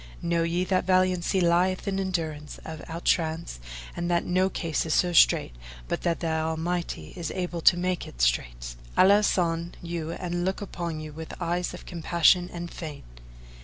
Know ye that valiancy lieth in endurance of outrance and that no case is so strait but that the Almighty is able to make it straight; Allah assain you and look upon you with eyes of compassion fain!"